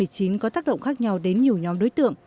covid một mươi chín có tác động khác nhau đến nhiều nhóm đối tượng